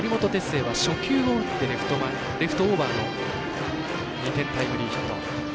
星は初球を打ってレフトオーバーの２点タイムリーヒット。